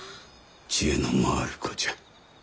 知恵の回る子じゃ。